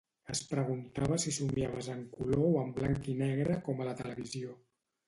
Es preguntava si somiaves en color o en blanc i negre com la televisió